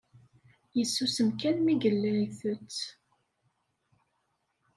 Yessusem kan mi yella itett.